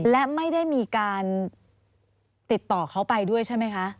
และไม่ได้มีการติดต่อเขาไปด้วยใช่ไหมคะ